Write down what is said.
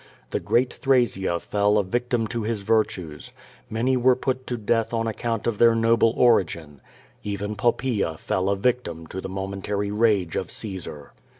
The great Thrasea fell a victim to hi! virtues, ^^lany were put to death on account of their noble* origin. Even Poppaea fell a victim to the momentary rage of Caesar.